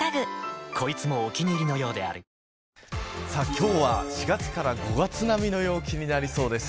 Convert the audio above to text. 今日は４月から５月並みの陽気になりそうです。